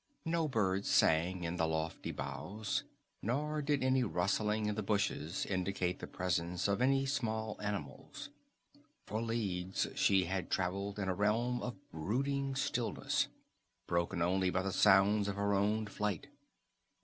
No birds sang in the lofty boughs, nor did any rustling in the bushes indicate the presence of any small animals. For leagues she had traveled in a realm of brooding stillness, broken only by the sounds of her own flight.